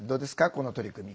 この取り組み。